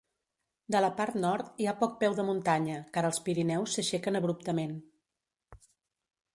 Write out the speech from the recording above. De la part nord hi ha poc peu de muntanya, car els Pirineus s'aixequen abruptament.